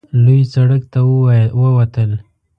لوی سړک ته ووتل.